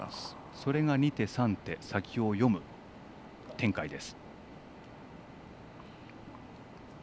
それが２手、３手先を読む展開です。